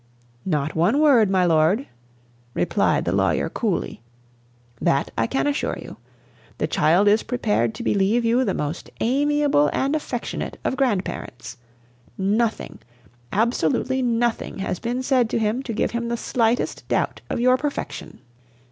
"Not one word, my lord," replied the lawyer coolly. "That I can assure you. The child is prepared to believe you the most amiable and affectionate of grandparents. Nothing absolutely nothing has been said to him to give him the slightest doubt of your perfection.